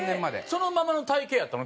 そのままの体形やったの？